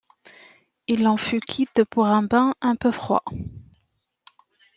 Il en fut quitte pour un bain un peu froid.